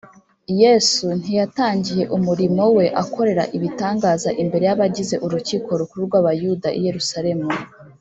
Yesu ntiyatangiye umurimo we akorera ibitangaza imbere y’abagize Urukiko Rukuru rw’Abayuda i Yerusalemu